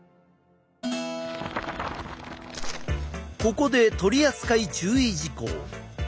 ここで取扱注意事項。